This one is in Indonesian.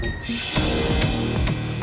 aku merasa ini gak adil pa